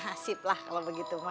asyik lah kalau begitu ma